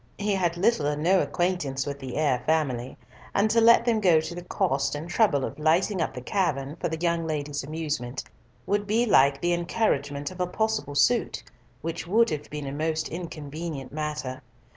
He had little or no acquaintance with the Eyre family, and to let them go to the cost and trouble of lighting up the cavern for the young lady's amusement would be like the encouragement of a possible suit, which would have been a most inconvenient matter.